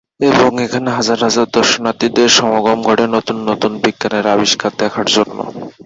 এবং এখানে হাজার হাজার দর্শনার্থীদের সমাগম ঘটে নতুন নতুন বিজ্ঞানের আবিষ্কার দেখার জন্য।